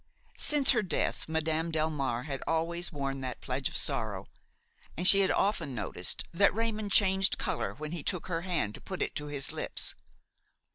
Since her death Madame Delmare had always worn that pledge of sorrow, and she had often noticed that Raymon changed color when he took her hand to put it to his lips.